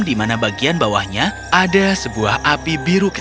di mana bagian bawahnya ada sebuah api biru kecil